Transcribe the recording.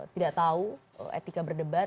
tidak tahu etika berdebat